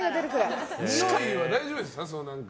においは大丈夫ですか？